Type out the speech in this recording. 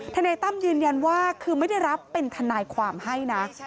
นายตั้มยืนยันว่าคือไม่ได้รับเป็นทนายความให้นะ